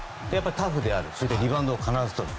タフであるリバウンドを必ずとる。